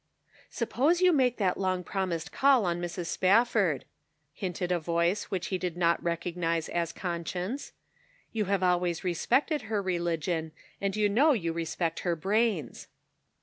" Suppose you make that long promised call on Mrs. Spafford," hinted a voice which he did not recognize as conscience. " You have always respected her religion, and you know you respect her brains."